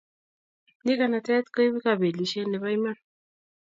Nyikanatet ko ipu kapelisiet nebo iman